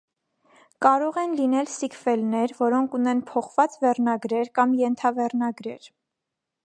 Կարող են լինել սիքվելներ, որոնք ունեն փոխված վերնագրեր կամ ենթավերնագրեր։